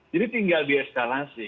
jadi tinggal dieskalasi